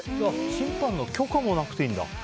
審判の許可もなくていいんだ。